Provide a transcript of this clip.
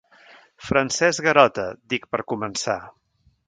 Francesc Garota —dic, per començar.